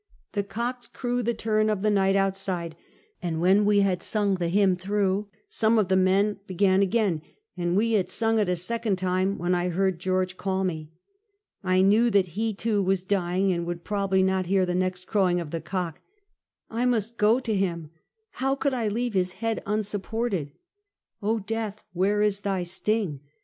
The cocks crew the turn of the night outside, and when we had sung the hymn through, some of the men began again, and we had sung it a second time when I heard George call me. I Imew that he, too, was dying, and would prob ably not hear the next crowing of the cock. I must go to him! how could I leave this head unsupported? Oh, death where is thy sting?